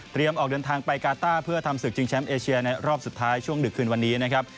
ออกเดินทางไปกาต้าเพื่อทำศึกชิงแชมป์เอเชียในรอบสุดท้ายช่วงดึกคืนวันนี้นะครับ